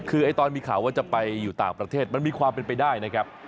คือตอนมีข่าวว่าจะไปอยู่ต่างประเทศมันมีความเป็นไปได้นะครับ